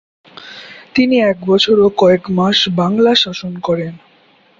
তিনি এক বছর ও কয়েক মাস বাংলা শাসন করেন।